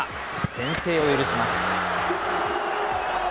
先制を許します。